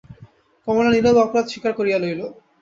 কমলা নীরবে অপরাধ স্বীকার করিয়া লইল।